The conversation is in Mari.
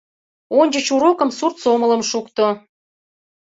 Ончыч урокым, сурт сомылым шукто